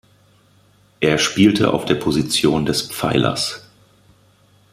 Er spielte auf der Position des Pfeilers.